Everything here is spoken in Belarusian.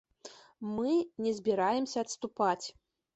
Мы не збіраемся адступаць.